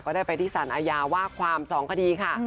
ก็ได้ไปที่ศาลยาว่ากความสองคดีค่ะ